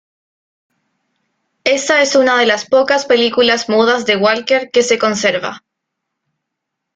Esa es una de las pocas películas mudas de Walker que se conserva.